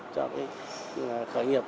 cho khởi nghiệp